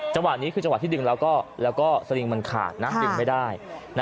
จังหวะนี้คือจังหวะที่ดึงแล้วก็สลิงมันขาดนะดึงไม่ได้